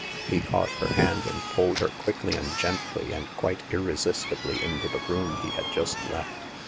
He caught her hand and pulled her quickly and gently and quite irresistibly into the room he had just left.